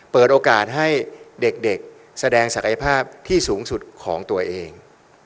เปิดโอกาสให้เด็กแสดงศักยภาพที่สูงสุดของตัวเอง